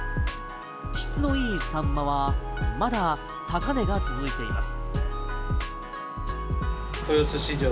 質の良いサンマはまだ高値が続いています。